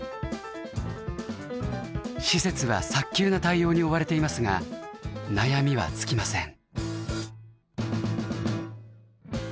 施設は早急な対応に追われていますが悩みは尽きません。